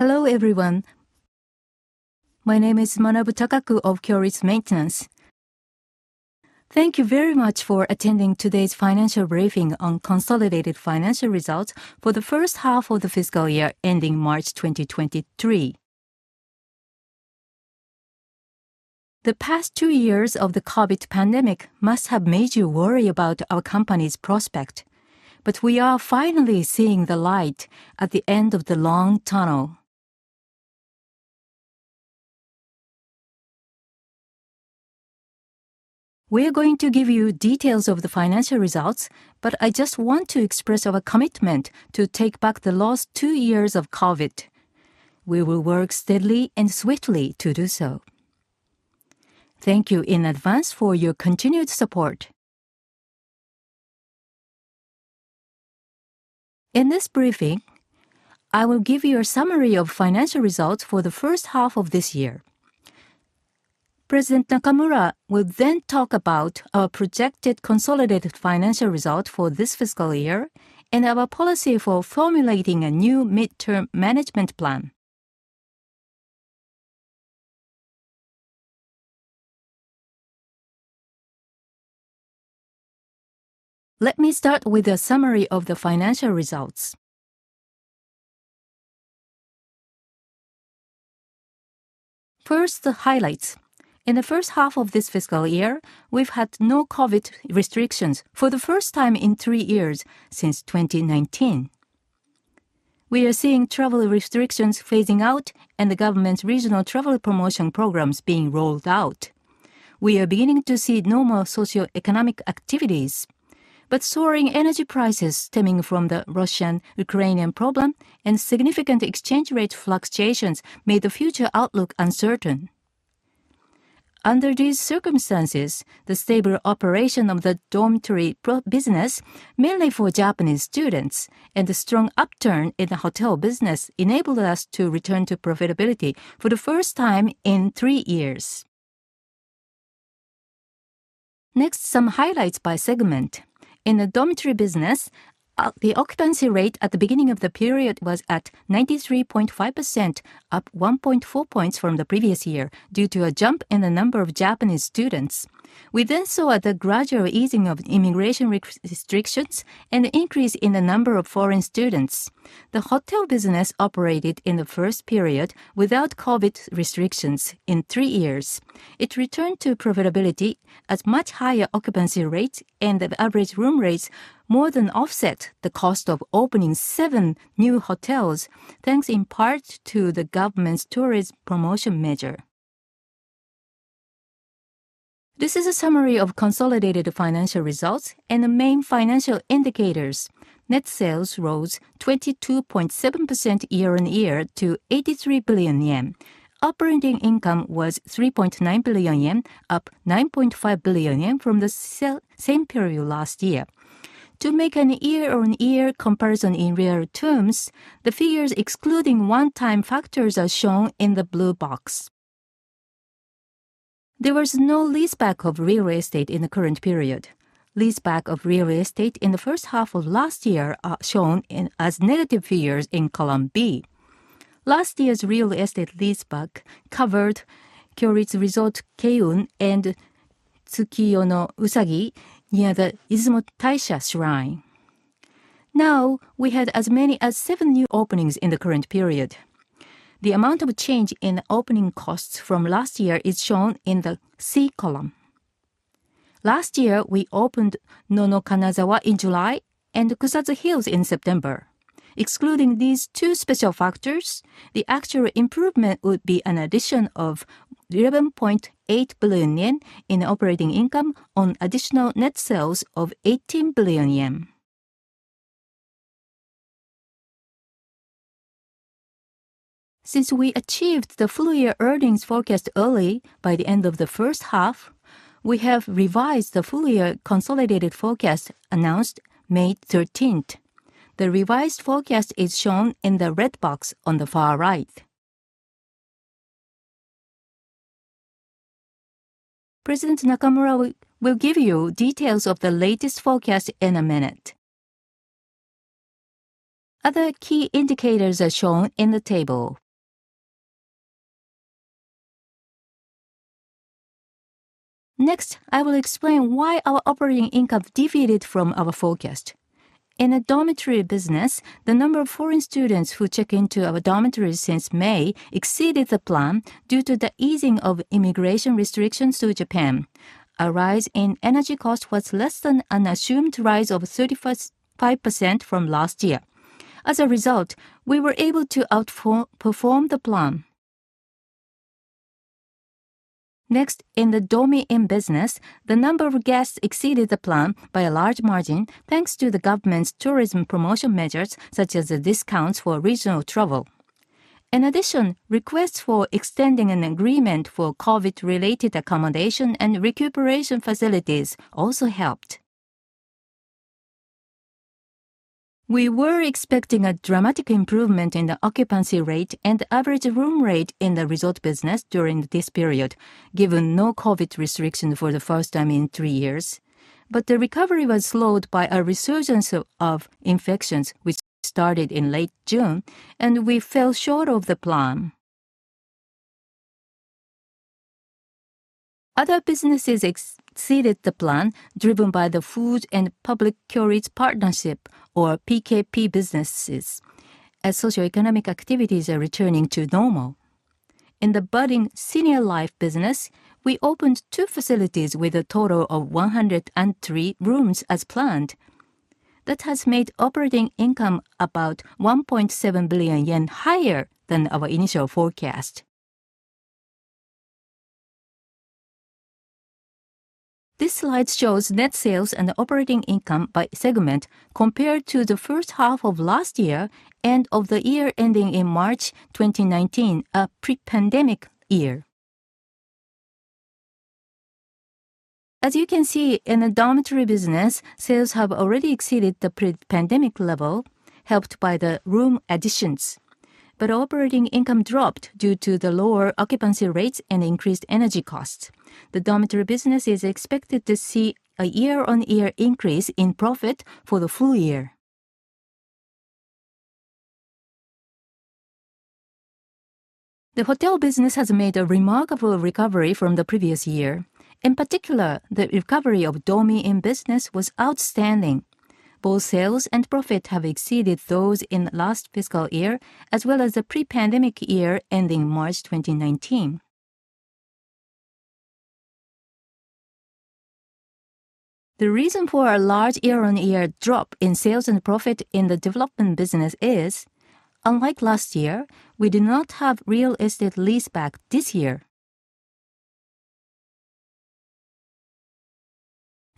Hello, everyone. My name is Manabu Takaku of Kyoritsu Maintenance. Thank you very much for attending today's financial briefing on consolidated financial results for the first half of the fiscal year ending March 2023. The past two years of the COVID pandemic must have made you worry about our company's prospect, but we are finally seeing the light at the end of the long tunnel. We're going to give you details of the financial results, but I just want to express our commitment to take back the last two years of COVID. We will work steadily and swiftly to do so. Thank you in advance for your continued support. In this briefing, I will give you a summary of financial results for the first half of this year. President Nakamura will talk about our projected consolidated financial result for this fiscal year and our policy for formulating a new midterm management plan. Let me start with a summary of the financial results. First, the highlights. In the first half of this fiscal year, we've had no COVID restrictions for the first time in three years since 2019. We are seeing travel restrictions phasing out and the government's regional travel promotion programs being rolled out. We are beginning to see normal socioeconomic activities. Soaring energy prices stemming from the Russian-Ukrainian problem and significant exchange rate fluctuations made the future outlook uncertain. Under these circumstances, the stable operation of the dormitory business, mainly for Japanese students, and the strong upturn in the hotel business enabled us to return to profitability for the first time in three years. Some highlights by segment. In the dormitory business, the occupancy rate at the beginning of the period was at 93.5%, up 1.4 points from the previous year due to a jump in the number of Japanese students. We saw the gradual easing of immigration restrictions and an increase in the number of foreign students. The hotel business operated in the first period without COVID restrictions in three years. It returned to profitability as much higher occupancy rates and the average room rates more than offset the cost of opening seven new hotels, thanks in part to the government's tourism promotion measure. This is a summary of consolidated financial results and the main financial indicators. Net sales rose 22.7% year-on-year to 83 billion yen. Operating income was 3.9 billion yen, up 9.5 billion yen from the same period last year. To make a year-on-year comparison in real terms, the figures excluding one-time factors are shown in the blue box. There was no leaseback of real estate in the current period. Leaseback of real estate in the first half of last year are shown as negative figures in column B. Last year's real estate leaseback covered Kyoritsu Resort Keiun and Tsukiyo no Usagi near the Izumo Taisha Shrine. We had as many as seven new openings in the current period. The amount of change in opening costs from last year is shown in the C column. Last year, we opened Nono Kanazawa in July and Kusatsu Hills in September. Excluding these two special factors, the actual improvement would be an addition of 11.8 billion yen in operating income on additional net sales of 18 billion yen. Since we achieved the full year earnings forecast early by the end of the first half, we have revised the full year consolidated forecast announced May 13th. The revised forecast is shown in the red box on the far right. President Nakamura will give you details of the latest forecast in a minute. Other key indicators are shown in the table. Next, I will explain why our operating income deviated from our forecast. In the dormitory business, the number of foreign students who check into our dormitory since May exceeded the plan due to the easing of immigration restrictions to Japan. A rise in energy cost was less than an assumed rise of 35% from last year. As a result, we were able to outperform the plan. Next, in the Dormy Inn business, the number of guests exceeded the plan by a large margin, thanks to the government's tourism promotion measures, such as the discounts for regional travel. In addition, requests for extending an agreement for COVID-related accommodation and recuperation facilities also helped. We were expecting a dramatic improvement in the occupancy rate and average room rate in the resort business during this period, given no COVID restriction for the first time in three years. The recovery was slowed by a resurgence of infections, which started in late June, and we fell short of the plan. Other businesses exceeded the plan driven by the food and Public Kyoritsu Partnership or PKP businesses as socioeconomic activities are returning to normal. In the budding senior life business, we opened two facilities with a total of 103 rooms as planned. That has made operating income about 1.7 billion yen higher than our initial forecast. This slide shows net sales and operating income by segment compared to the first half of last year and of the year ending in March 2019, a pre-pandemic year. As you can see, in the dormitory business, sales have already exceeded the pre-pandemic level, helped by the room additions. Operating income dropped due to the lower occupancy rates and increased energy costs. The dormitory business is expected to see a year-on-year increase in profit for the full year. The hotel business has made a remarkable recovery from the previous year. In particular, the recovery of Dormy Inn business was outstanding. Both sales and profit have exceeded those in last fiscal year as well as the pre-pandemic year ending March 2019. The reason for our large year-on-year drop in sales and profit in the development business is, unlike last year, we do not have real estate leaseback this year.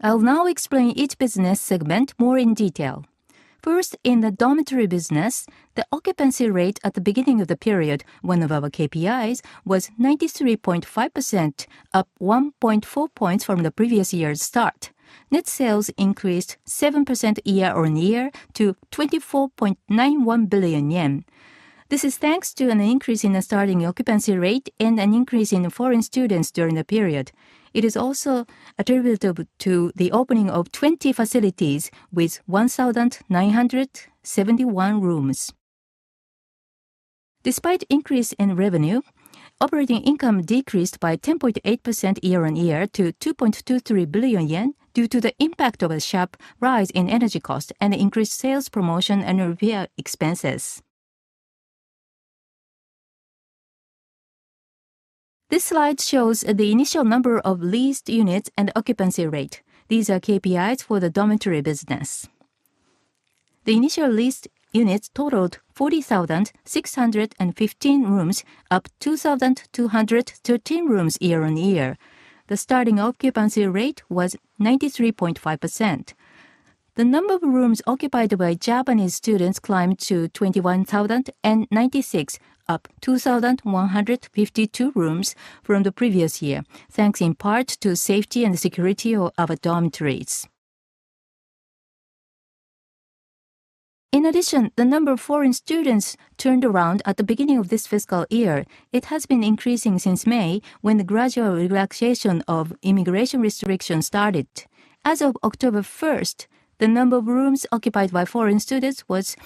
I'll now explain each business segment more in detail. First, in the dormitory business, the occupancy rate at the beginning of the period, one of our KPIs, was 93.5%, up 1.4 points from the previous year's start. Net sales increased 7% year-on-year to 24.91 billion yen. This is thanks to an increase in the starting occupancy rate and an increase in foreign students during the period. It is also attributable to the opening of 20 facilities with 1,971 rooms. Despite increase in revenue, operating income decreased by 10.8% year-on-year to 2.23 billion yen due to the impact of a sharp rise in energy cost and increased sales promotion and repair expenses. This slide shows the initial number of leased units and occupancy rate. These are KPIs for the dormitory business. The initial leased units totaled 40,615 rooms, up 2,213 rooms year-on-year. The starting occupancy rate was 93.5%. The number of rooms occupied by Japanese students climbed to 21,096, up 2,152 rooms from the previous year, thanks in part to safety and security of our dormitories. In addition, the number of foreign students turned around at the beginning of this fiscal year. It has been increasing since May when the gradual relaxation of immigration restrictions started. As of October 1st, the number of rooms occupied by foreign students was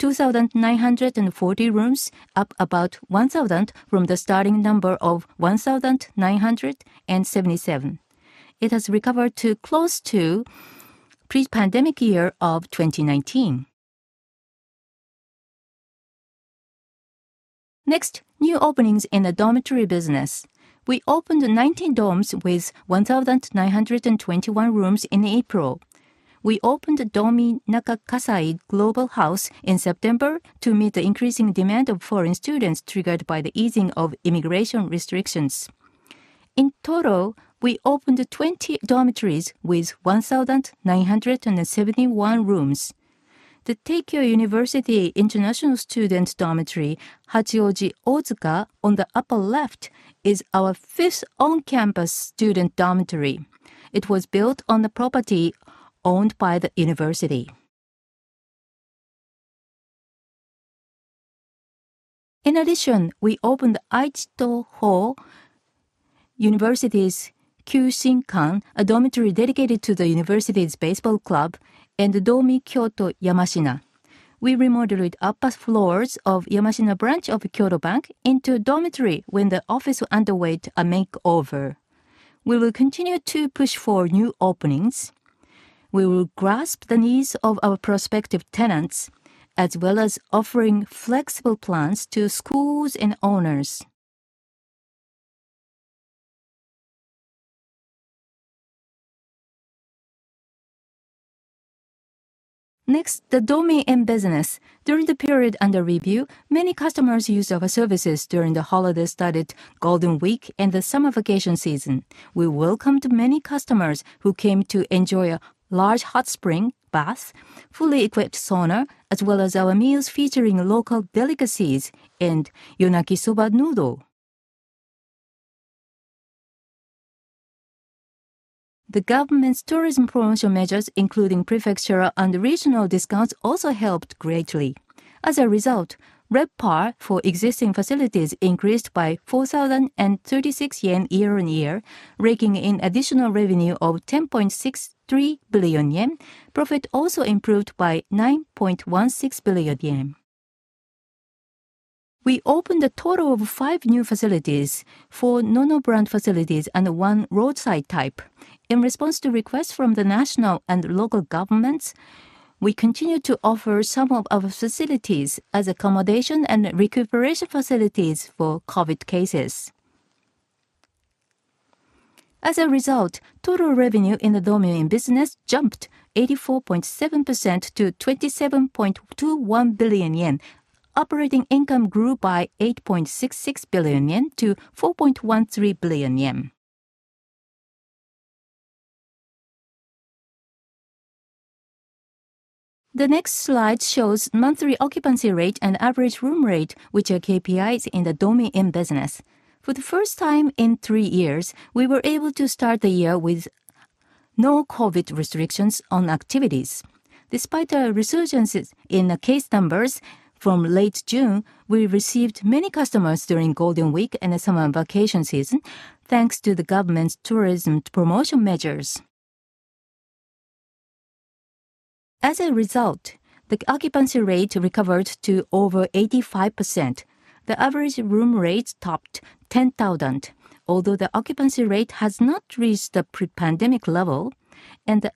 2,940 rooms, up about 1,000 from the starting number of 1,977. It has recovered to close to pre-pandemic year of 2019. New openings in the dormitory business. We opened 19 dorms with 1,921 rooms in April. We opened Dormy Nakakasai Global House in September to meet the increasing demand of foreign students triggered by the easing of immigration restrictions. We opened 20 dormitories with 1,971 rooms. The Teikyo University International Students Dormitory, Hachioji Otsuka, on the upper left, is our fifth on-campus student dormitory. It was built on the property owned by the university. We opened Aichi Toho University's Kyushinkan, a dormitory dedicated to the university's baseball club, and Dormy Kyoto Yamashina. We remodeled upper floors of Yamashina branch of Kyoto Bank into a dormitory when the office underwent a makeover. We will continue to push for new openings. We will grasp the needs of our prospective tenants, as well as offering flexible plans to schools and owners. The Dormy Inn business. During the period under review, many customers used our services during the holiday-studded Golden Week and the summer vacation season. We welcomed many customers who came to enjoy a large hot spring bath, fully equipped sauna, as well as our meals featuring local delicacies and Yonaki Soba noodle. The government's tourism promotion measures, including prefectural and regional discounts, also helped greatly. As a result, RevPAR for existing facilities increased by 4,036 yen year-on-year, raking in additional revenue of 10.63 billion yen. Profit also improved by 9.16 billion yen. We opened a total of five new facilities, four Nono brand facilities, and one roadside type. In response to requests from the national and local governments, we continue to offer some of our facilities as accommodation and recuperation facilities for COVID-19 cases. As a result, total revenue in the Dormy Inn business jumped 84.7% to 27.21 billion yen. Operating income grew by 8.66 billion yen to 4.13 billion yen. The next slide shows monthly occupancy rate and average room rate, which are KPIs in the Dormy Inn business. For the first time in three years, we were able to start the year with no COVID restrictions on activities. Despite a resurgence in case numbers from late June, we received many customers during Golden Week and summer vacation season, thanks to the government's tourism promotion measures. The occupancy rate recovered to over 85%. The average room rates topped 10,000, although the occupancy rate has not reached the pre-pandemic level and the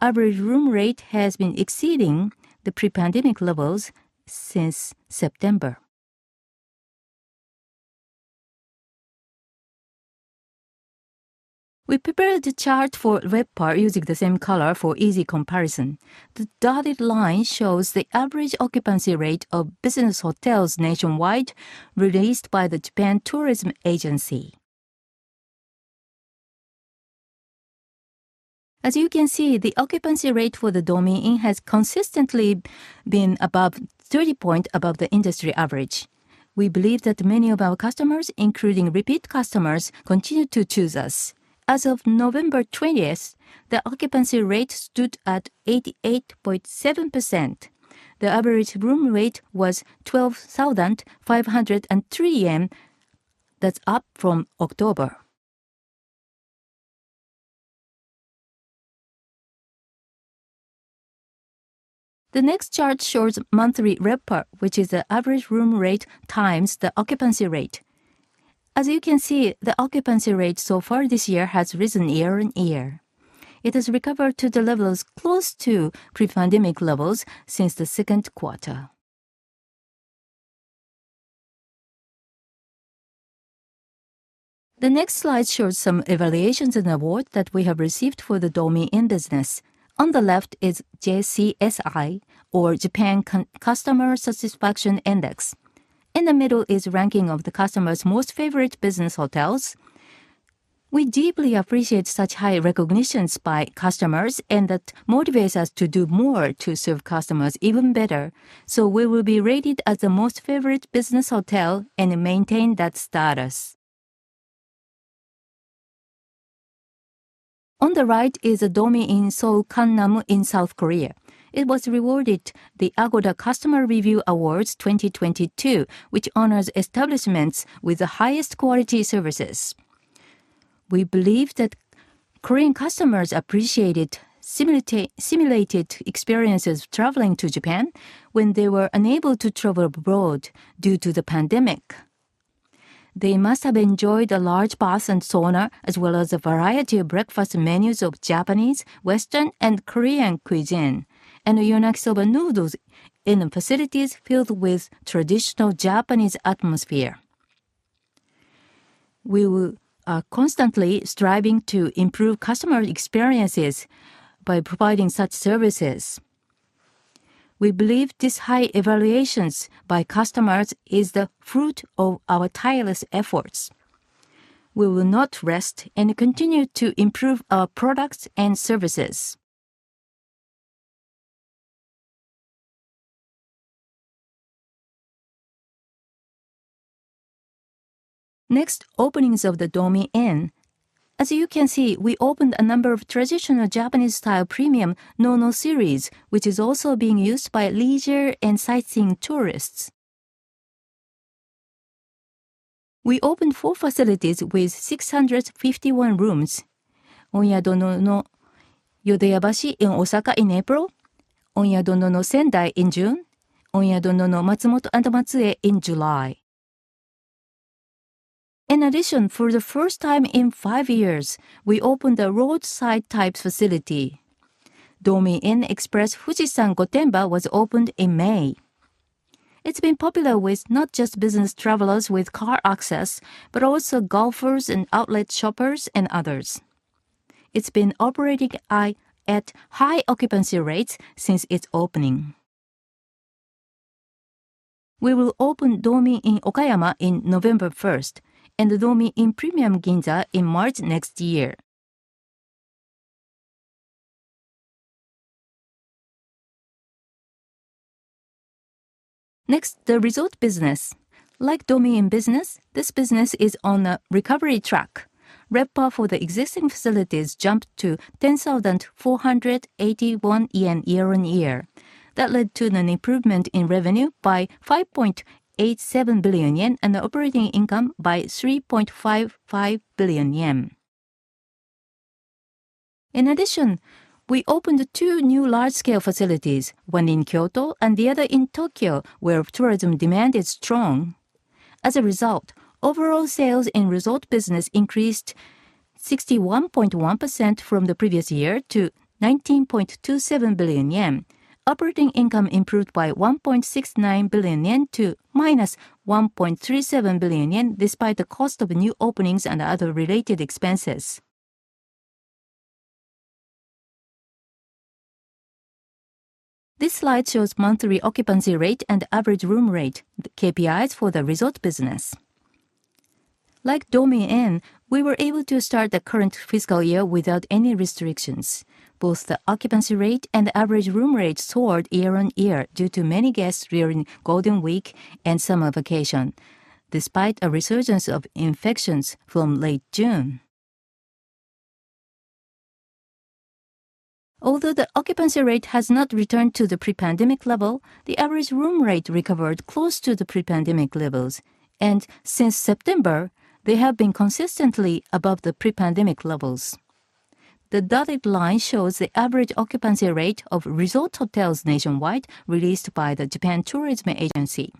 average room rate has been exceeding the pre-pandemic levels since September. We prepared a chart for RevPAR using the same color for easy comparison. The dotted line shows the average occupancy rate of business hotels nationwide released by the Japan Tourism Agency. The occupancy rate for the Dormy Inn has consistently been above 30 point above the industry average. We believe that many of our customers, including repeat customers, continue to choose us. As of November 20th, the occupancy rate stood at 88.7%. The average room rate was 12,503 yen. That's up from October. The next chart shows monthly RevPAR, which is the average room rate times the occupancy rate. As you can see, the occupancy rate so far this year has risen year on year. It has recovered to the levels close to pre-pandemic levels since the second quarter. The next slide shows some evaluations and awards that we have received for the Dormy Inn business. On the left is JCSI or Japanese Customer Satisfaction Index. In the middle is ranking of the customer's most favorite business hotels. We deeply appreciate such high recognitions by customers, and that motivates us to do more to serve customers even better. We will be rated as the most favorite business hotel and maintain that status. On the right is a Dormy Inn Seoul Gangnam in South Korea. It was rewarded the Agoda Customer Review Awards 2022, which honors establishments with the highest quality services. We believe that Korean customers appreciated simulated experiences traveling to Japan when they were unable to travel abroad due to the pandemic. They must have enjoyed the large baths and sauna, as well as a variety of breakfast menus of Japanese, Western, and Korean cuisine, and the Yudofu noodles in facilities filled with traditional Japanese atmosphere. We are constantly striving to improve customer experiences by providing such services. We believe these high evaluations by customers is the fruit of our tireless efforts. We will not rest and continue to improve our products and services. Next, openings of the Dormy Inn. As you can see, we opened a number of traditional Japanese style premium Nono series, which is also being used by leisure and sightseeing tourists. We opened four facilities with 651 rooms. Onyado Nono Yodoyabashi in Osaka in April, Onyado Nono Sendai in June, Onyado Nono Matsumoto and Matsue in July. In addition, for the first time in five years, we opened a roadside-type facility. Dormy Inn Express Fujisan Gotemba was opened in May. It's been popular with not just business travelers with car access, but also golfers and outlet shoppers and others. It's been operating at high occupancy rates since its opening. We will open Dormy Inn Okayama in November 1st and Dormy Inn Premium Ginza in March next year. Next, the resort business. Like Dormy Inn business, this business is on a recovery track. RevPAR for the existing facilities jumped to 10,481 yen year-on-year. That led to an improvement in revenue by 5.87 billion yen and operating income by 3.55 billion yen. In addition, we opened two new large-scale facilities, one in Kyoto and the other in Tokyo, where tourism demand is strong. As a result, overall sales in resort business increased 61.1% from the previous year to 19.27 billion yen. Operating income improved by 1.69 billion yen to -1.37 billion yen despite the cost of new openings and other related expenses. This slide shows monthly occupancy rate and average room rate, the KPIs for the resort business. Like Dormy Inn, we were able to start the current fiscal year without any restrictions. Both the occupancy rate and the average room rate soared year-on-year due to many guests during Golden Week and summer vacation, despite a resurgence of infections from late June. Although the occupancy rate has not returned to the pre-pandemic level, the average room rate recovered close to the pre-pandemic levels. Since September, they have been consistently above the pre-pandemic levels. The dotted line shows the average occupancy rate of resort hotels nationwide released by the Japan Tourism Agency.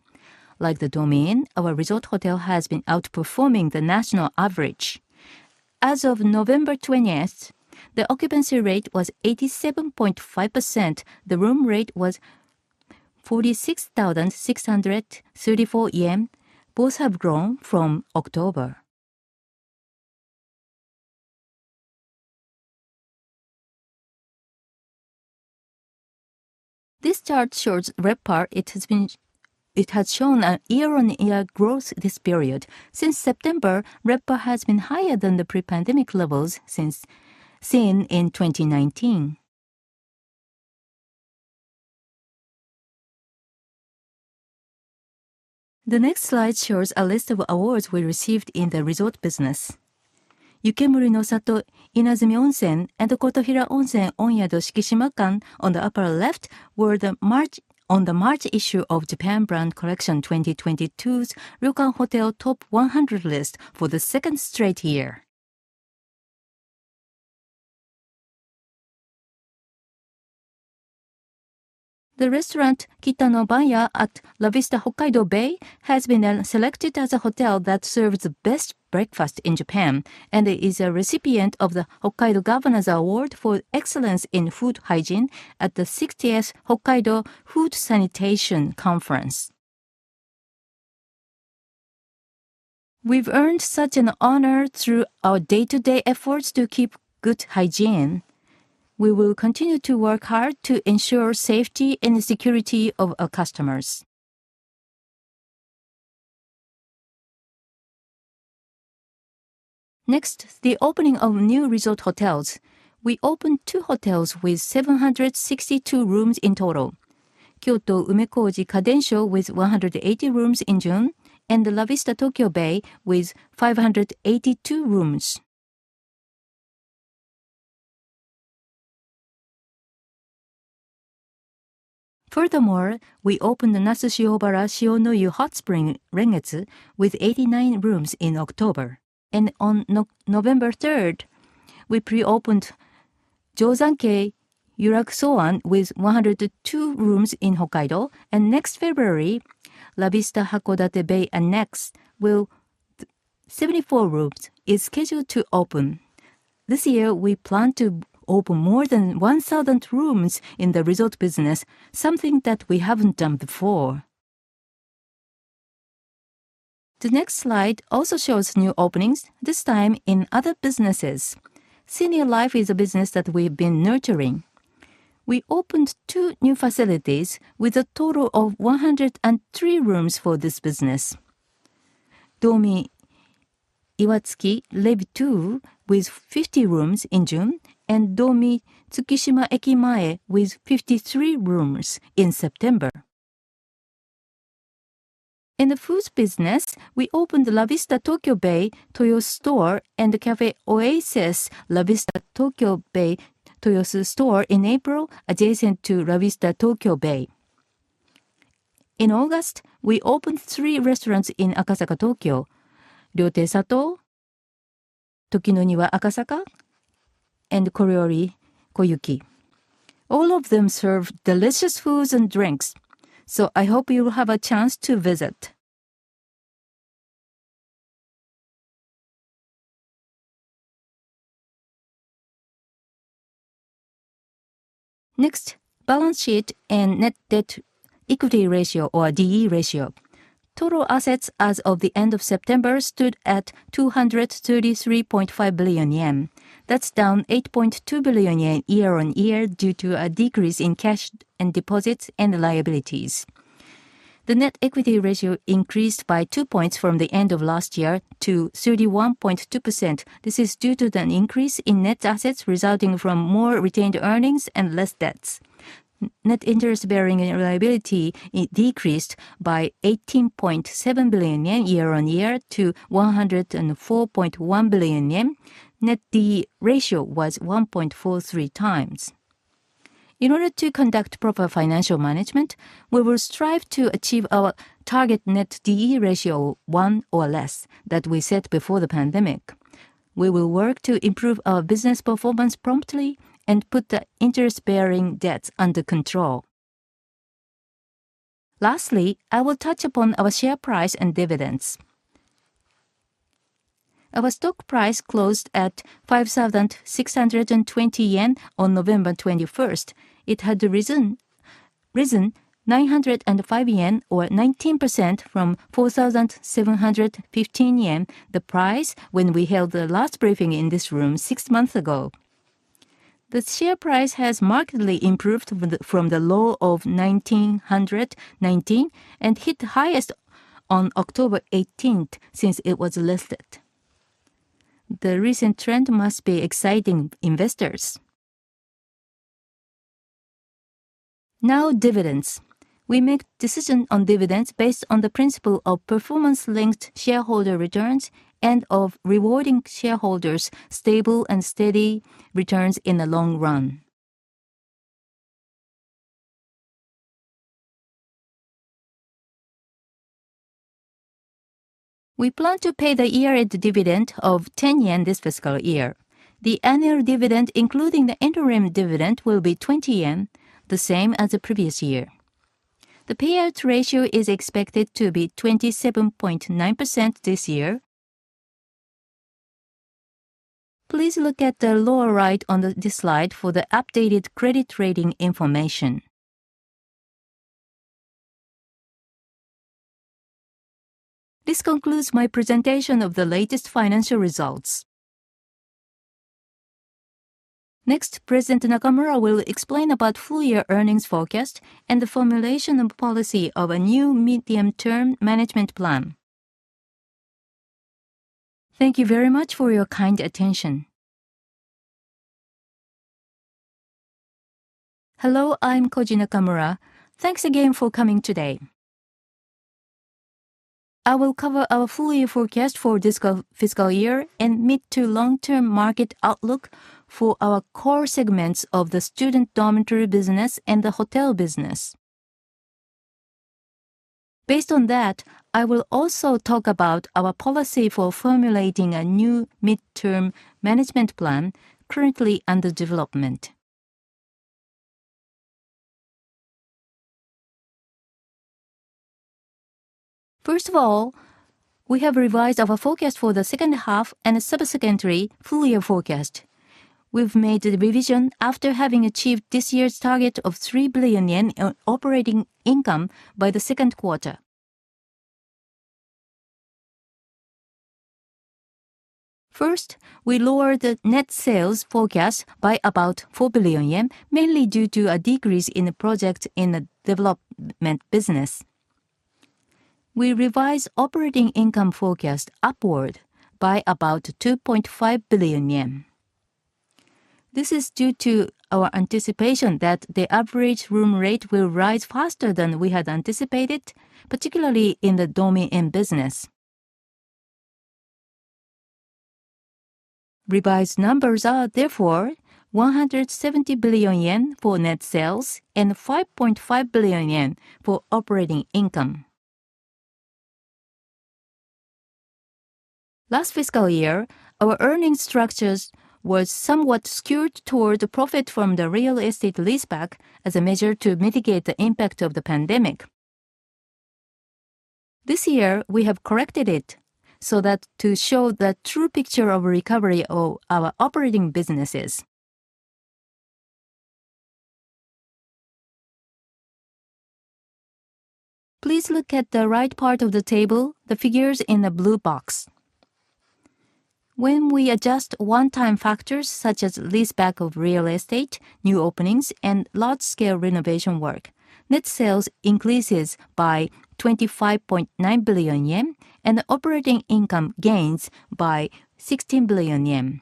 Like the Dormy Inn, our resort hotel has been outperforming the national average. As of November 20th, the occupancy rate was 87.5%. The room rate was 46,634 yen. Both have grown from October. This chart shows RevPAR. It has shown a year-on-year growth this period. Since September, RevPAR has been higher than the pre-pandemic levels seen in 2019. The next slide shows a list of awards we received in the resort business. Yukemuri no Yado Inazumi Onsen and Kotohira Onsen Onyado Shikishimakan on the upper left were on the March issue of Japan Brand Collection 2022's Ryokan & Hotel TOP 100 list for the second straight year. The restaurant Kita no Banya at La Vista Hokkaido Biei has been selected as a hotel that serves the best breakfast in Japan and is a recipient of the Hokkaido Governor's Award for Excellence in Food Hygiene at the 60th Hokkaido Food Sanitation Conference. We've earned such an honor through our day-to-day efforts to keep good hygiene. We will continue to work hard to ensure safety and security of our customers. The opening of new resort hotels. We opened two hotels with 762 rooms in total. Kyoto Umekoji Kadensho with 180 rooms in June, and La Vista Tokyo Bay with 582 rooms. Furthermore, we opened the Nasu Shiobara Shionoyu Hot Spring Rengetsu with 89 rooms in October. On November 3rd, we pre-opened Jozankei YURAKU-SOAN with 102 rooms in Hokkaido. Next February, La Vista Hakodate Bay Annex 74 rooms is scheduled to open. This year, we plan to open more than 1,000 rooms in the resort business, something that we haven't done before. The next slide also shows new openings, this time in other businesses. Senior life is a business that we've been nurturing. We opened two new facilities with a total of 103 rooms for this business. Dormy Iwatsuki Levi II with 50 rooms in June, Dormy Tsukishima Ekimae with 53 rooms in September. In the foods business, we opened the La Vista Tokyo Bay Toyosu Store and the CAFE OASIS La Vista Tokyo Bay Toyosu Store in April, adjacent to La Vista Tokyo Bay. In August, we opened three restaurants in Akasaka, Tokyo: Ryotei SATO, Toki no Niwa Akasaka, and Koryori Koyuki. All of them serve delicious foods and drinks, I hope you'll have a chance to visit. Next, balance sheet and net debt/equity ratio or D/E ratio. Total assets as of the end of September stood at 233.5 billion yen. That's down 8.2 billion yen year-over-year due to a decrease in cash and deposits and liabilities. The net equity ratio increased by two points from the end of last year to 31.2%. This is due to an increase in net assets resulting from more retained earnings and less debts. Net interest-bearing liability, it decreased by 18.7 billion yen year-on-year to 104.1 billion yen. Net D/E ratio was 1.43x. In order to conduct proper financial management, we will strive to achieve our target net D/E ratio 1 or less that we set before the pandemic. We will work to improve our business performance promptly and put the interest-bearing debts under control. Lastly, I will touch upon our share price and dividends. Our stock price closed at 5,620 yen on November 21st. It had risen 905 yen or 19% from 4,715 yen, the price when we held the last briefing in this room six months ago. The share price has markedly improved from the low of 1,919 and hit highest on October 18th since it was listed. The recent trend must be exciting investors. Dividends. We make decision on dividends based on the principle of performance linked shareholder returns and of rewarding shareholders stable and steady returns in the long run. We plan to pay the year-end dividend of 10 yen this fiscal year. The annual dividend, including the interim dividend, will be 20 yen, the same as the previous year. The payout ratio is expected to be 27.9% this year. Please look at the lower right on this slide for the updated credit rating information. This concludes my presentation of the latest financial results. Next, President Nakamura will explain about full year earnings forecast and the formulation of policy of a new medium-term management plan. Thank you very much for your kind attention. Hello, I'm Koji Nakamura. Thanks again for coming today. I will cover our full year forecast for this fiscal year and mid to long-term market outlook for our core segments of the student dormitory business and the hotel business. Based on that, I will also talk about our policy for formulating a new midterm management plan currently under development. First of all, we have revised our forecast for the second half and subsequently full year forecast. We've made the revision after having achieved this year's target of 3 billion yen in operating income by the second quarter. First, we lowered the net sales forecast by about 4 billion yen, mainly due to a decrease in the project in the development business. We revised operating income forecast upward by about 2.5 billion yen. This is due to our anticipation that the average room rate will rise faster than we had anticipated, particularly in the Dormy Inn business. Revised numbers are therefore 170 billion yen for net sales and 5.5 billion yen for operating income. Last fiscal year, our earnings structures was somewhat skewed toward the profit from the real estate leaseback as a measure to mitigate the impact of the pandemic. This year we have corrected it so that to show the true picture of recovery of our operating businesses. Please look at the right part of the table, the figures in the blue box. When we adjust one-time factors such as leaseback of real estate, new openings, and large-scale renovation work, net sales increases by 25.9 billion yen and operating income gains by 16 billion yen.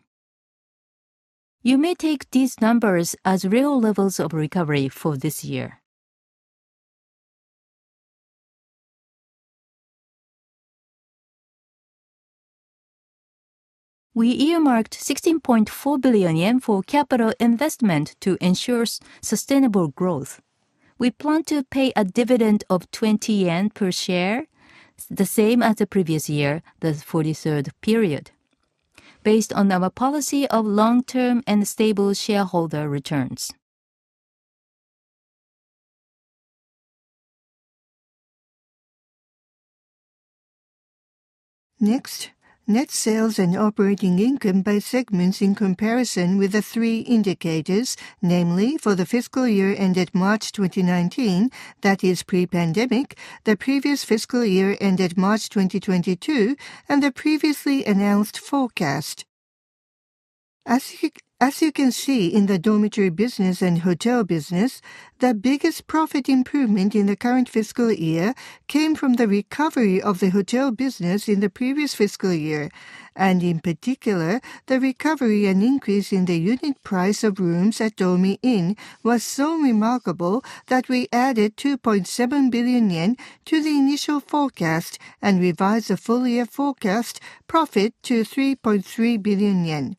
You may take these numbers as real levels of recovery for this year. We earmarked 16.4 billion yen for capital investment to ensure sustainable growth. We plan to pay a dividend of 20 yen per share, the same as the previous year, the 43rd period, based on our policy of long-term and stable shareholder returns. Next, net sales and operating income by segments in comparison with the three indicators, namely for the fiscal year ended March 2019, that is pre-pandemic, the previous fiscal year ended March 2022, and the previously announced forecast. As you can see in the dormitory business and hotel business, the biggest profit improvement in the current fiscal year came from the recovery of the hotel business in the previous fiscal year, and in particular, the recovery and increase in the unit price of rooms at Dormy Inn was so remarkable that we added 2.7 billion yen to the initial forecast and revised the full year forecast profit to 3.3 billion yen.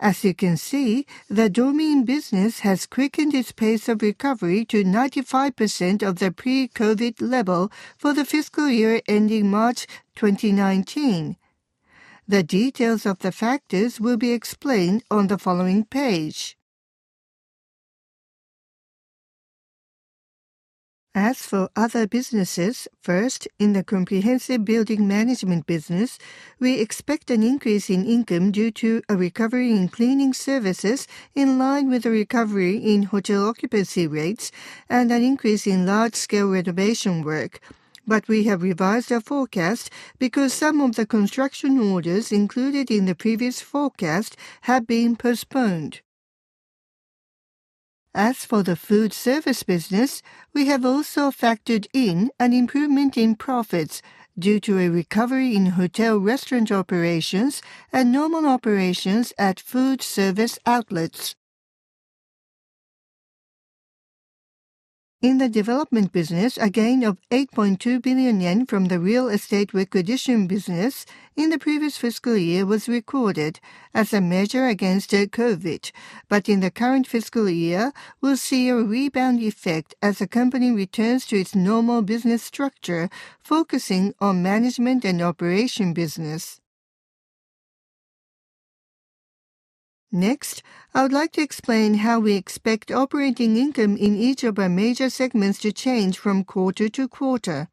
As you can see, the Dormy Inn business has quickened its pace of recovery to 95% of the pre-COVID-19 level for the fiscal year ending March 2019. The details of the factors will be explained on the following page. As for other businesses, first, in the comprehensive building management business, we expect an increase in income due to a recovery in cleaning services in line with the recovery in hotel occupancy rates and an increase in large-scale renovation work. We have revised our forecast because some of the construction orders included in the previous forecast have been postponed. As for the food service business, we have also factored in an improvement in profits due to a recovery in hotel restaurant operations and normal operations at food service outlets. In the development business, a gain of 8.2 billion yen from the real estate requisition business in the previous fiscal year was recorded as a measure against COVID-19. In the current fiscal year, we'll see a rebound effect as the company returns to its normal business structure, focusing on management and operation business. Next, I would like to explain how we expect operating income in each of our major segments to change from quarter to quarter.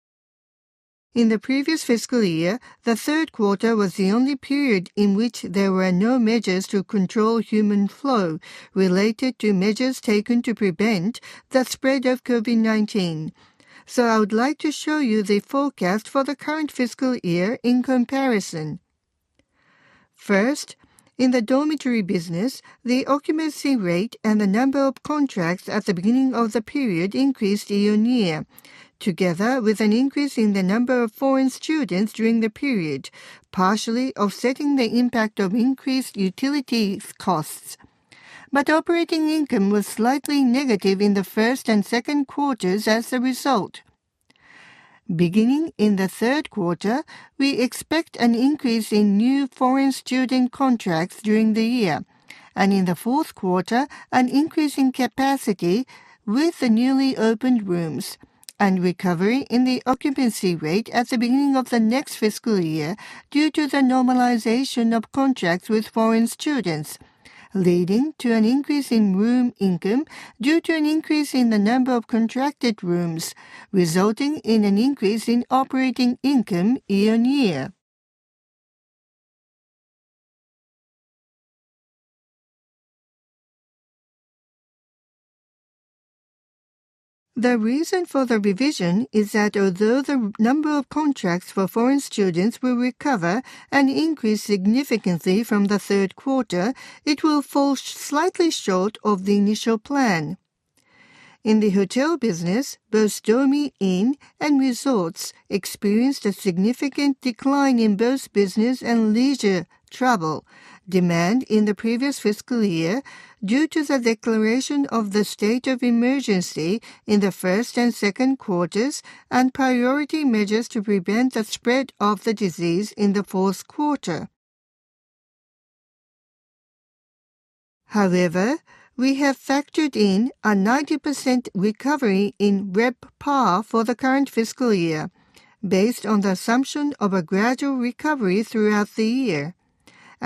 In the previous fiscal year, the third quarter was the only period in which there were no measures to control human flow related to measures taken to prevent the spread of COVID-19. I would like to show you the forecast for the current fiscal year in comparison. First, in the dormitory business, the occupancy rate and the number of contracts at the beginning of the period increased year-over-year, together with an increase in the number of foreign students during the period, partially offsetting the impact of increased utility costs. Operating income was slightly negative in the first and second quarters as a result. Beginning in the third quarter, we expect an increase in new foreign student contracts during the year, and in the fourth quarter, an increase in capacity with the newly opened rooms and recovery in the occupancy rate at the beginning of the next fiscal year due to the normalization of contracts with foreign students, leading to an increase in room income due to an increase in the number of contracted rooms, resulting in an increase in operating income year-over-year. The reason for the revision is that although the number of contracts for foreign students will recover and increase significantly from the third quarter, it will fall slightly short of the initial plan. In the hotel business, both Dormy Inn and Resorts experienced a significant decline in both business and leisure travel demand in the previous fiscal year due to the declaration of the state of emergency in the first and second quarters and priority measures to prevent the spread of the disease in the fourth quarter. However, we have factored in a 90% recovery in RevPAR for the current fiscal year based on the assumption of a gradual recovery throughout the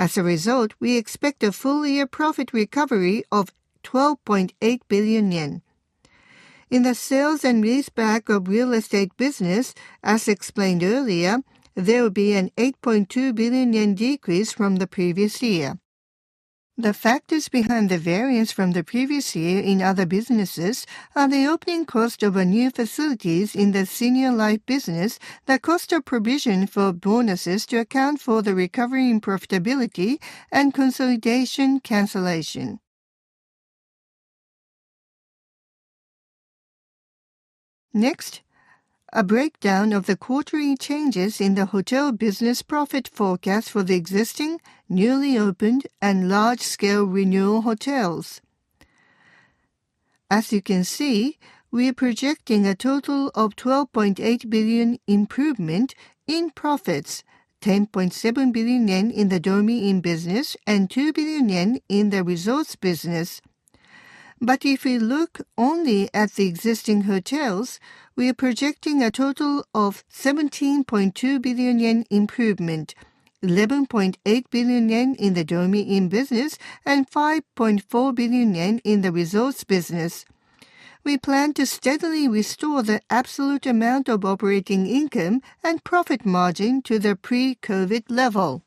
year. As a result, we expect a full year profit recovery of 12.8 billion yen. In the sales and leaseback of real estate business, as explained earlier, there will be a 8.2 billion yen decrease from the previous year. The factors behind the variance from the previous year in other businesses are the opening cost of our new facilities in the senior life business, the cost of provision for bonuses to account for the recovery in profitability, and consolidation cancellation. A breakdown of the quarterly changes in the hotel business profit forecast for the existing, newly opened, and large-scale renewal hotels. As you can see, we are projecting a total of 12.8 billion improvement in profits, 10.7 billion yen in the Dormy Inn business and 2 billion yen in the Resorts business. If we look only at the existing hotels, we are projecting a total of 17.2 billion yen improvement, 11.8 billion yen in the Dormy Inn business and 5.4 billion yen in the Resorts business. We plan to steadily restore the absolute amount of operating income and profit margin to the pre-COVID level.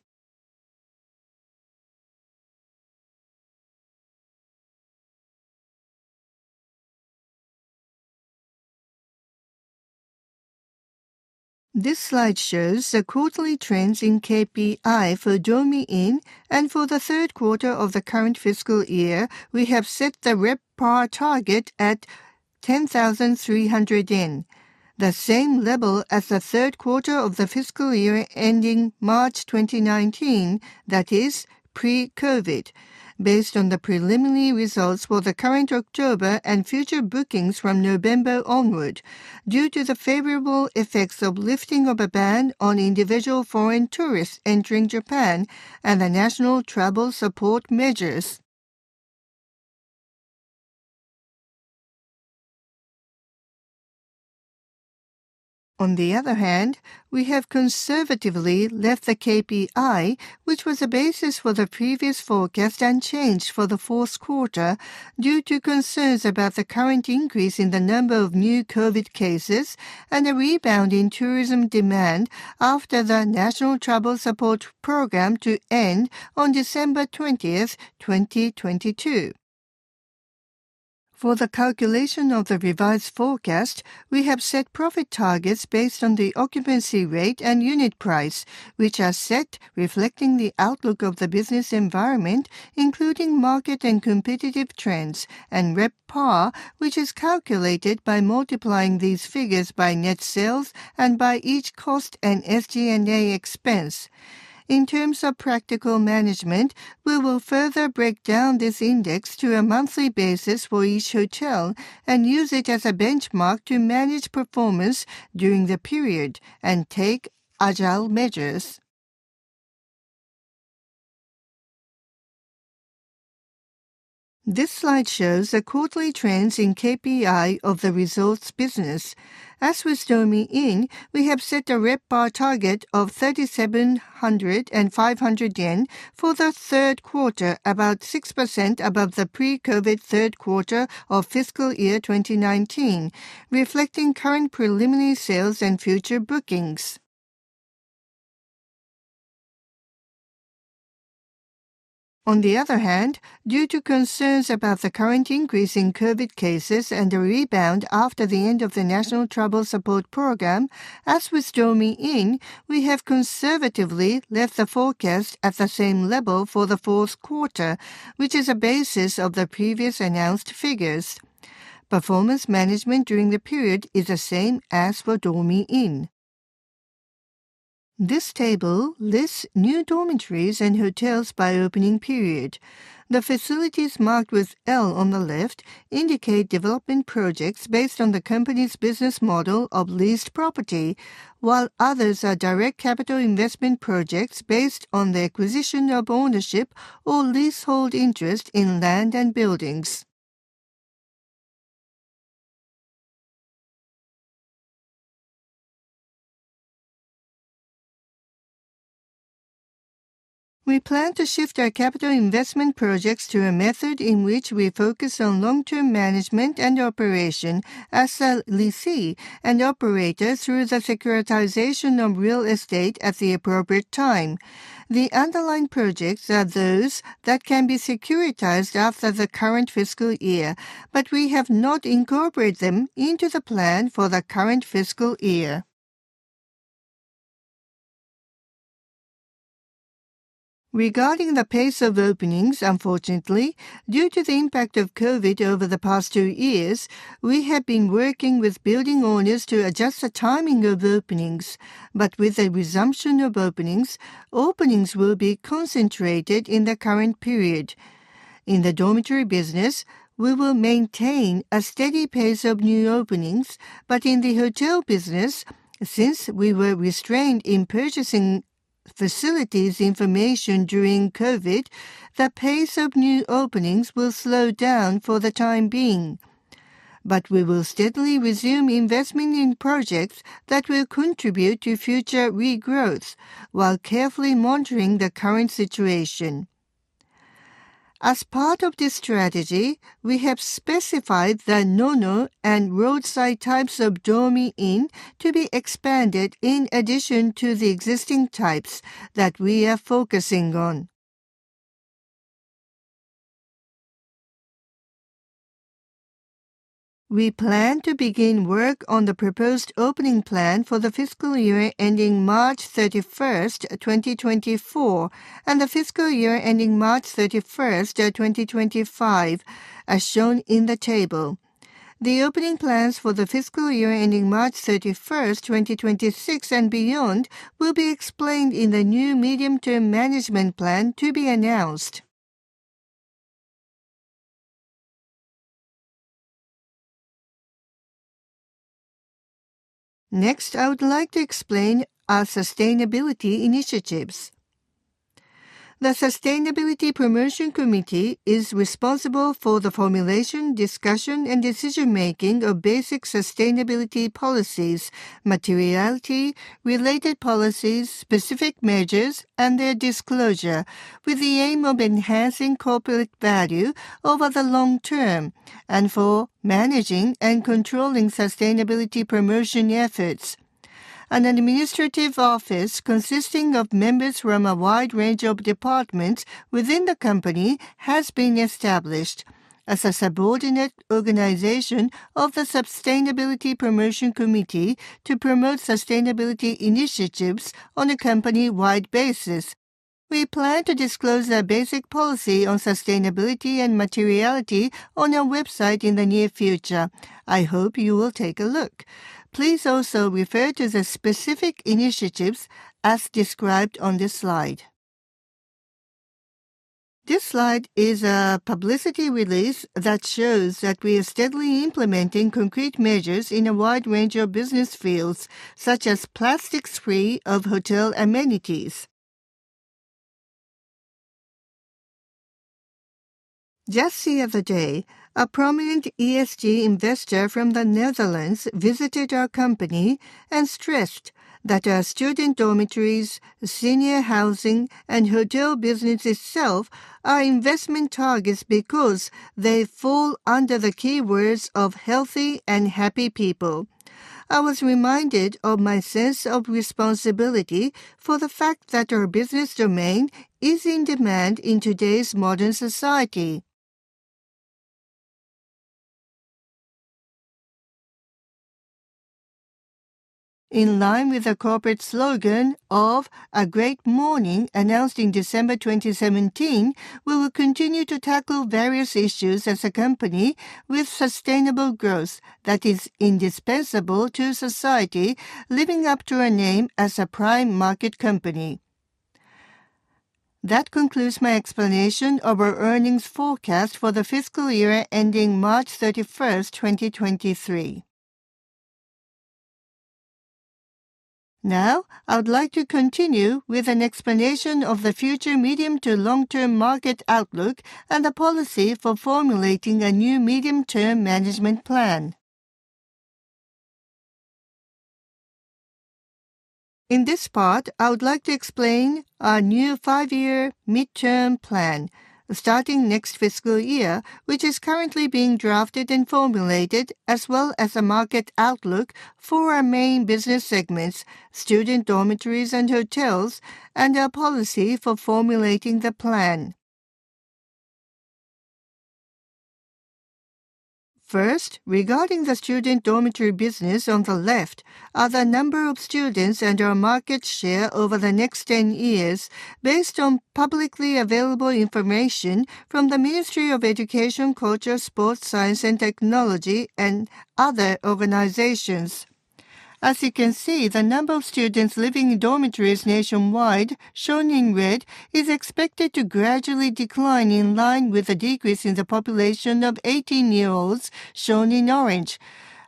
This slide shows the quarterly trends in KPI for Dormy Inn, and for the third quarter of the current fiscal year, we have set the RevPAR target at 10,300 yen, the same level as the third quarter of the fiscal year ending March 2019, that is pre-COVID, based on the preliminary results for the current October and future bookings from November onward, due to the favorable effects of lifting of a ban on individual foreign tourists entering Japan and the national travel support measures. On the other hand, we have conservatively left the KPI, which was the basis for the previous forecast unchanged for the fourth quarter due to concerns about the current increase in the number of new COVID cases and a rebound in tourism demand after the National Travel Support Program to end on December 20, 2022. For the calculation of the revised forecast, we have set profit targets based on the occupancy rate and unit price, which are set reflecting the outlook of the business environment, including market and competitive trends, and RevPAR, which is calculated by multiplying these figures by net sales and by each cost and SG&A expense. In terms of practical management, we will further break down this index to a monthly basis for each hotel and use it as a benchmark to manage performance during the period and take agile measures. This slide shows the quarterly trends in KPI of the resorts business. As with Dormy Inn, we have set a RevPAR target of 3,700 and 500 yen for the third quarter, about 6% above the pre-COVID-19 third quarter of fiscal year 2019, reflecting current preliminary sales and future bookings. On the other hand, due to concerns about the current increase in COVID-19 cases and a rebound after the end of the National Travel Discount Program, as with Dormy Inn, we have conservatively left the forecast at the same level for the fourth quarter, which is the basis of the previous announced figures. Performance management during the period is the same as for Dormy Inn. This table lists new dormitories and hotels by opening period. The facilities marked with L on the left indicate development projects based on the company's business model of leased property, while others are direct capital investment projects based on the acquisition of ownership or leasehold interest in land and buildings. We plan to shift our capital investment projects to a method in which we focus on long-term management and operation as the lessee and operator through the securitization of real estate at the appropriate time. The underlying projects are those that can be securitized after the current fiscal year, but we have not incorporated them into the plan for the current fiscal year. Regarding the pace of openings, unfortunately, due to the impact of COVID over the past two years, we have been working with building owners to adjust the timing of openings. With the resumption of openings will be concentrated in the current period. In the dormitory business, we will maintain a steady pace of new openings, but in the hotel business, since we were restrained in purchasing facilities information during COVID, the pace of new openings will slow down for the time being. We will steadily resume investment in projects that will contribute to future regrowth while carefully monitoring the current situation. As part of this strategy, we have specified the Nono and Roadside types of Dormy Inn to be expanded in addition to the existing types that we are focusing on. We plan to begin work on the proposed opening plan for the fiscal year ending March 31st, 2024, and the fiscal year ending March 31st, 2025, as shown in the table. The opening plans for the fiscal year ending March 31st, 2026 and beyond will be explained in the new medium-term management plan to be announced. I would like to explain our sustainability initiatives. The Sustainability Promotion Committee is responsible for the formulation, discussion, and decision-making of basic sustainability policies, materiality, related policies, specific measures, and their disclosure with the aim of enhancing corporate value over the long term and for managing and controlling sustainability promotion efforts. An administrative office consisting of members from a wide range of departments within the company has been established as a subordinate organization of the Sustainability Promotion Committee to promote sustainability initiatives on a company-wide basis. We plan to disclose our basic policy on sustainability and materiality on our website in the near future. I hope you will take a look. Please also refer to the specific initiatives as described on this slide. This slide is a publicity release that shows that we are steadily implementing concrete measures in a wide range of business fields, such as plastics-free of hotel amenities. Just the other day, a prominent ESG investor from the Netherlands visited our company and stressed that our student dormitories, senior housing, and hotel business itself are investment targets because they fall under the keywords of healthy and happy people. I was reminded of my sense of responsibility for the fact that our business domain is in demand in today's modern society. In line with the corporate slogan of A Great Morning announced in December 2017, we will continue to tackle various issues as a company with sustainable growth that is indispensable to society, living up to our name as a Prime Market Company. That concludes my explanation of our earnings forecast for the fiscal year ending March 31, 2023. I would like to continue with an explanation of the future medium to long-term market outlook and the policy for formulating a new medium-term management plan. In this part, I would like to explain our new five-year midterm plan starting next fiscal year, which is currently being drafted and formulated, as well as the market outlook for our main business segments, student dormitories and hotels, and our policy for formulating the plan. Regarding the student dormitory business, on the left are the number of students and our market share over the next 10 years based on publicly available information from the Ministry of Education, Culture, Sports, Science and Technology and other organizations. As you can see, the number of students living in dormitories nationwide, shown in red, is expected to gradually decline in line with a decrease in the population of eighteen-year-olds, shown in orange.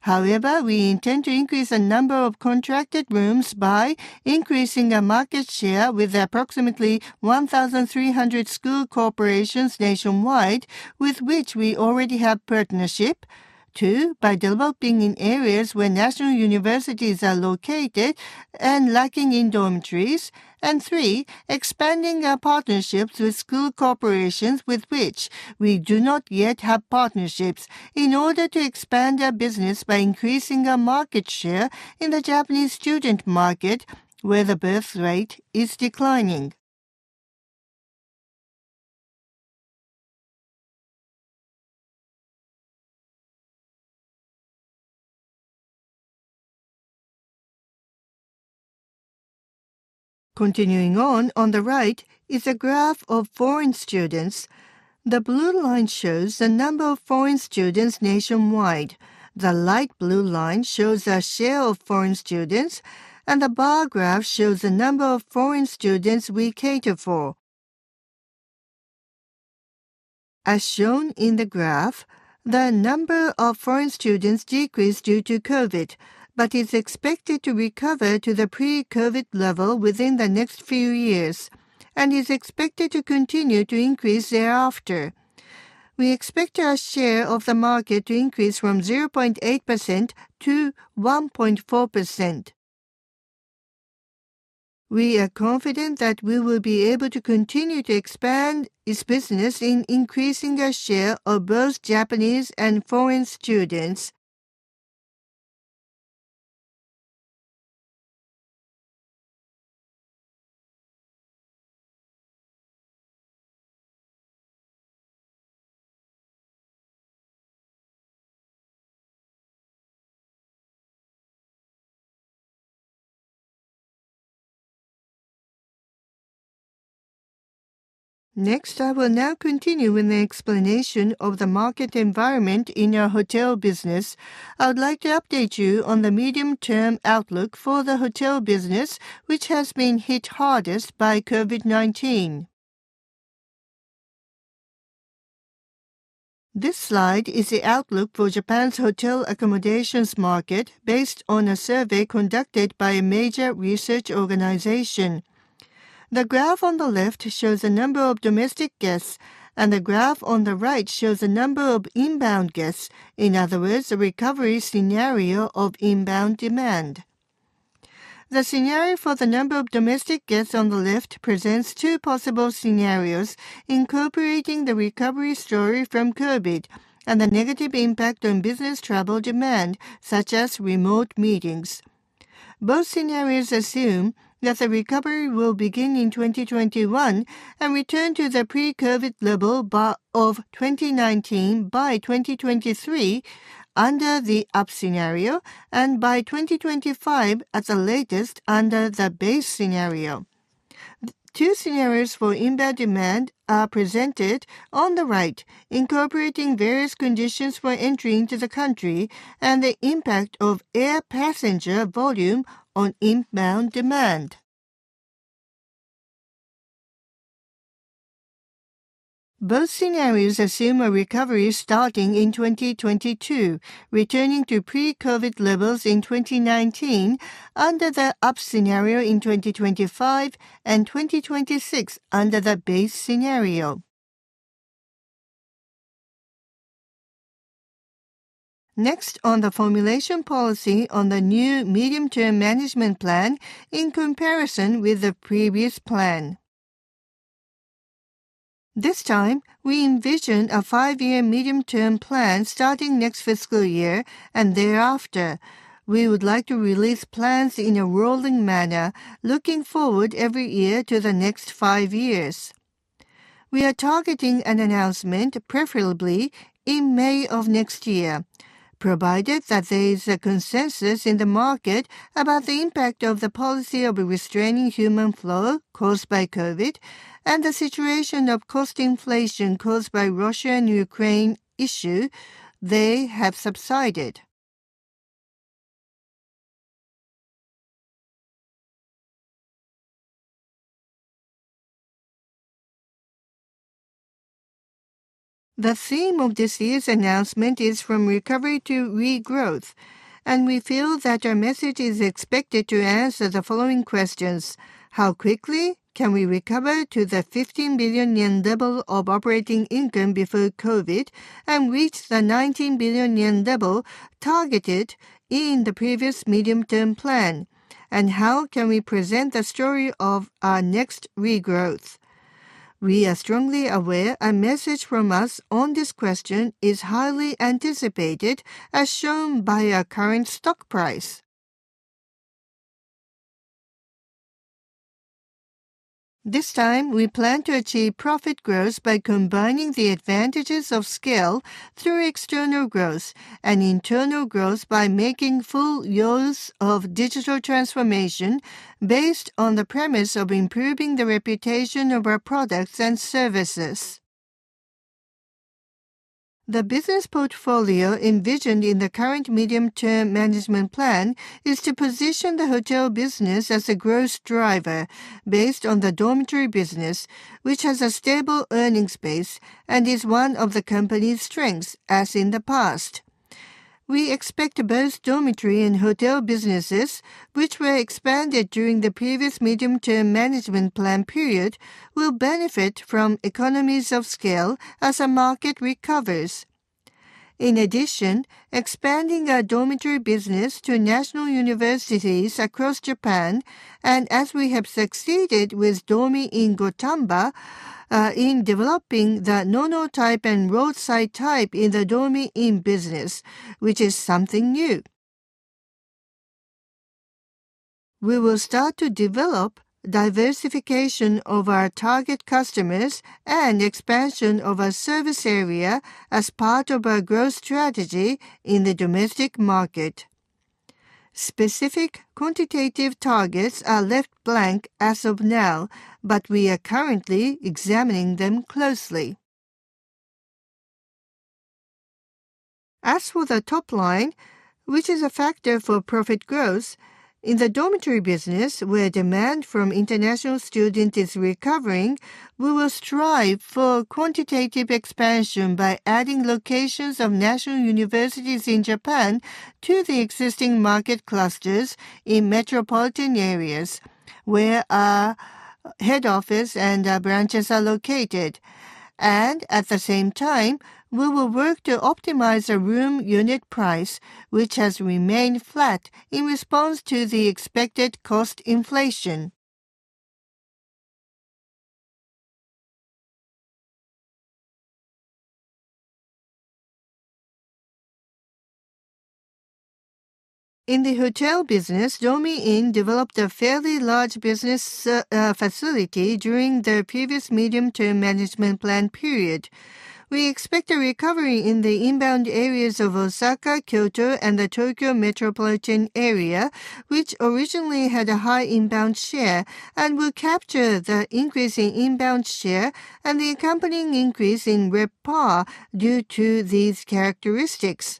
We intend to increase the number of contracted rooms by increasing our market share with approximately 1,300 school corporations nationwide with which we already have partnership. Two, by developing in areas where national universities are located and lacking in dormitories. Three, expanding our partnerships with school corporations with which we do not yet have partnerships in order to expand our business by increasing our market share in the Japanese student market where the birth rate is declining. Continuing on the right is a graph of foreign students. The blue line shows the number of foreign students nationwide. The light blue line shows our share of foreign students, and the bar graph shows the number of foreign students we cater for. As shown in the graph, the number of foreign students decreased due to COVID, but is expected to recover to the pre-COVID level within the next few years and is expected to continue to increase thereafter. We expect our share of the market to increase from 0.8% to 1.4%. We are confident that we will be able to continue to expand this business in increasing our share of both Japanese and foreign students. I will now continue with the explanation of the market environment in our hotel business. I would like to update you on the medium-term outlook for the hotel business, which has been hit hardest by COVID-19. This slide is the outlook for Japan's hotel accommodations market based on a survey conducted by a major research organization. The graph on the left shows the number of domestic guests, and the graph on the right shows the number of inbound guests, in other words, the recovery scenario of inbound demand. The scenario for the number of domestic guests on the left presents two possible scenarios incorporating the recovery story from COVID and the negative impact on business travel demand, such as remote meetings. Both scenarios assume that the recovery will begin in 2021 and return to the pre-COVID level of 2019 by 2023 under the up scenario, and by 2025 at the latest under the base scenario. Two scenarios for inbound demand are presented on the right, incorporating various conditions for entry into the country and the impact of air passenger volume on inbound demand. Both scenarios assume a recovery starting in 2022, returning to pre-COVID levels in 2019 under the up scenario in 2025, and 2026 under the base scenario. On the formulation policy on the new medium-term management plan in comparison with the previous plan. This time, we envision a five-year medium-term plan starting next fiscal year and thereafter. We would like to release plans in a rolling manner, looking forward every year to the next five years. We are targeting an announcement preferably in May of next year, provided that there is a consensus in the market about the impact of the policy of restraining human flow caused by COVID and the situation of cost inflation caused by Russia and Ukraine issue, they have subsided. The theme of this year's announcement is from recovery to regrowth, we feel that our message is expected to answer the following questions. How quickly can we recover to the 15 billion yen level of operating income before COVID and reach the 19 billion yen level targeted in the previous medium-term plan? How can we present the story of our next regrowth? We are strongly aware a message from us on this question is highly anticipated, as shown by our current stock price. This time, we plan to achieve profit growth by combining the advantages of scale through external growth and internal growth by making full use of digital transformation based on the premise of improving the reputation of our products and services. The business portfolio envisioned in the current medium-term management plan is to position the hotel business as a growth driver based on the dormitory business, which has a stable earnings base and is one of the company's strengths, as in the past. We expect both dormitory and hotel businesses, which were expanded during the previous medium-term management plan period, will benefit from economies of scale as the market recovers. In addition, expanding our dormitory business to national universities across Japan, and as we have succeeded with Dormy Inn Gotemba, in developing the Nono-type and Roadside-type in the Dormy Inn business, which is something new. We will start to develop diversification of our target customers and expansion of our service area as part of our growth strategy in the domestic market. Specific quantitative targets are left blank as of now, but we are currently examining them closely. As for the top line, which is a factor for profit growth, in the dormitory business where demand from international student is recovering, we will strive for quantitative expansion by adding locations of national universities in Japan to the existing market clusters in metropolitan areas where our head office and our branches are located. At the same time, we will work to optimize the room unit price, which has remained flat in response to the expected cost inflation. In the hotel business, Dormy Inn developed a fairly large business facility during the previous medium-term management plan period. We expect a recovery in the inbound areas of Osaka, Kyoto, and the Tokyo metropolitan area, which originally had a high inbound share and will capture the increase in inbound share and the accompanying increase in RevPAR due to these characteristics.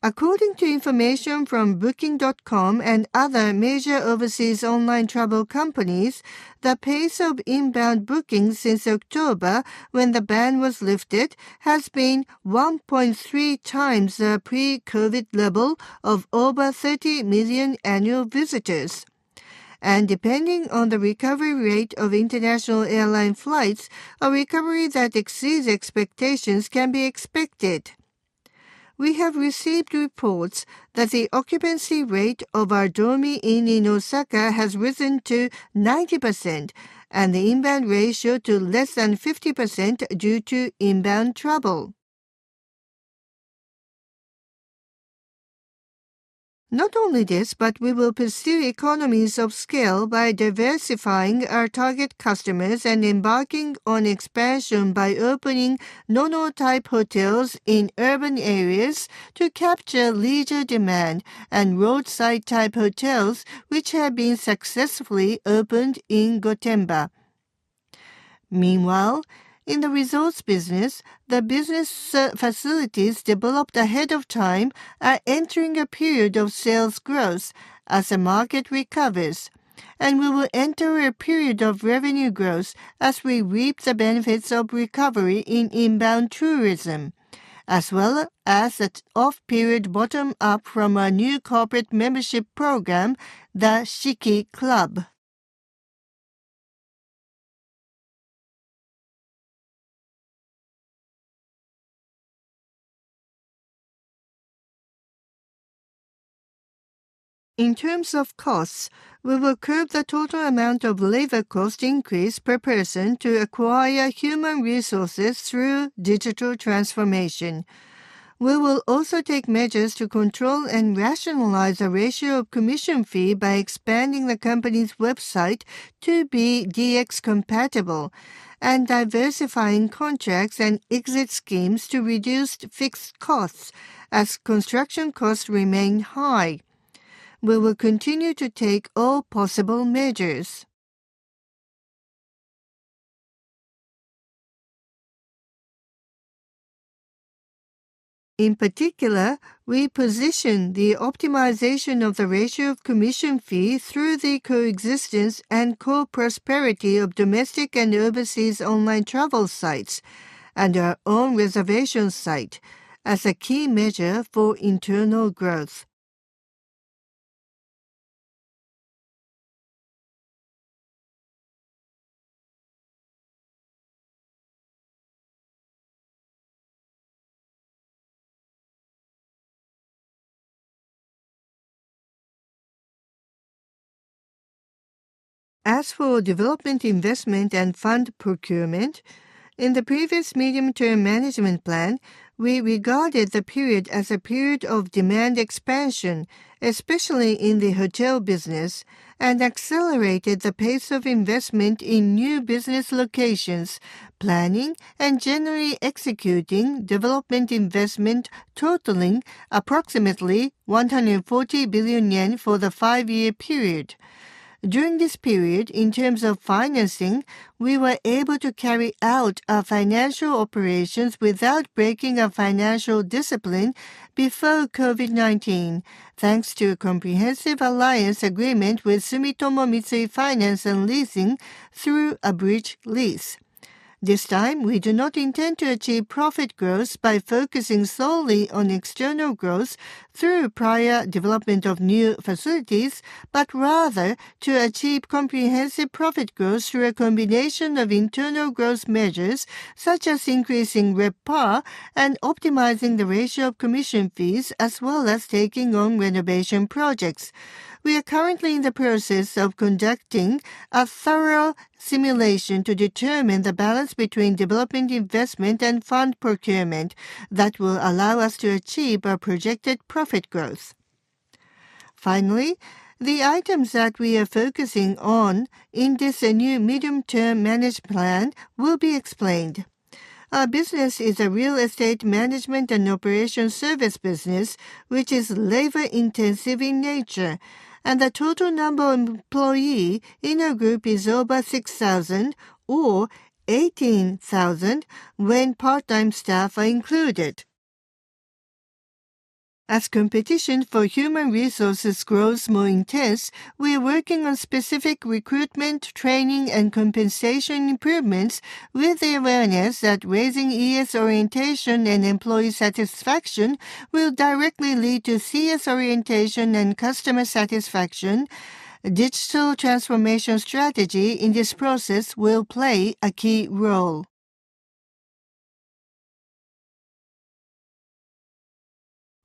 According to information from Booking.com and other major overseas online travel companies, the pace of inbound bookings since October, when the ban was lifted, has been 1.3 times the pre-COVID level of over 30 million annual visitors. Depending on the recovery rate of international airline flights, a recovery that exceeds expectations can be expected. We have received reports that the occupancy rate of our Dormy Inn in Osaka has risen to 90% and the inbound ratio to less than 50% due to inbound travel. Not only this, we will pursue economies of scale by diversifying our target customers and embarking on expansion by opening Nono-type hotels in urban areas to capture leisure demand and Roadside-type hotels, which have been successfully opened in Gotemba. Meanwhile, in the resorts business, the facilities developed ahead of time are entering a period of sales growth as the market recovers. We will enter a period of revenue growth as we reap the benefits of recovery in inbound tourism, as well as its off-period bottom-up from our new corporate membership program, the Shiki Club. In terms of costs, we will curb the total amount of labor cost increase per person to acquire human resources through digital transformation. We will also take measures to control and rationalize the ratio of commission fee by expanding the company's website to be DX compatible and diversifying contracts and exit schemes to reduce fixed costs as construction costs remain high. We will continue to take all possible measures. In particular, we position the optimization of the ratio of commission fee through the coexistence and co-prosperity of domestic and overseas online travel sites and our own reservation site as a key measure for internal growth. As for development investment and fund procurement, in the previous medium-term management plan, we regarded the period as a period of demand expansion, especially in the hotel business, and accelerated the pace of investment in new business locations, planning and generally executing development investment totaling approximately 140 billion yen for the five-year period. During this period, in terms of financing, we were able to carry out our financial operations without breaking our financial discipline before COVID-19, thanks to a comprehensive alliance agreement with Sumitomo Mitsui Finance and Leasing through a bridge lease. This time, we do not intend to achieve profit growth by focusing solely on external growth through prior development of new facilities, but rather to achieve comprehensive profit growth through a combination of internal growth measures, such as increasing RevPAR and optimizing the ratio of commission fees as well as taking on renovation projects. We are currently in the process of conducting a thorough simulation to determine the balance between development investment and fund procurement that will allow us to achieve our projected profit growth. The items that we are focusing on in this new medium-term management plan will be explained. Our business is a real estate management and operation service business, which is labor-intensive in nature, and the total number of employees in our group is over 6,000 or 18,000 when part-time staff are included. As competition for human resources grows more intense, we are working on specific recruitment, training, and compensation improvements with the awareness that raising ES orientation and employee satisfaction will directly lead to CS orientation and customer satisfaction. Digital transformation strategy in this process will play a key role.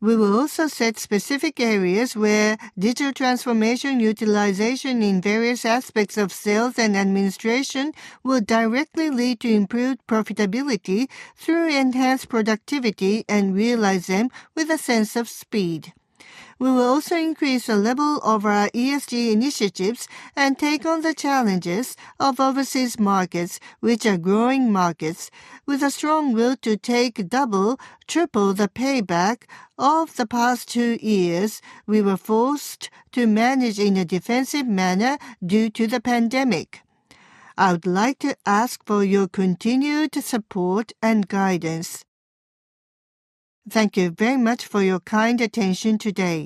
We will also set specific areas where digital transformation utilization in various aspects of sales and administration will directly lead to improved profitability through enhanced productivity and realize them with a sense of speed. We will also increase the level of our ESG initiatives and take on the challenges of overseas markets, which are growing markets, with a strong will to take double, triple the payback of the past two years we were forced to manage in a defensive manner due to the pandemic. I would like to ask for your continued support and guidance. Thank you very much for your kind attention today.